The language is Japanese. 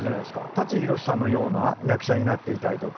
舘ひろしさんのような役者になっていたいとか。